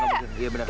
gak mungkin ya